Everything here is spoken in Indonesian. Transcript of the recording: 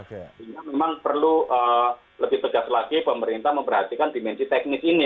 sehingga memang perlu lebih tegas lagi pemerintah memperhatikan dimensi teknis ini